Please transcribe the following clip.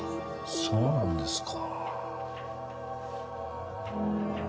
そうなんですか。